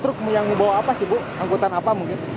truk yang dibawa apa sih bu angkutan apa mungkin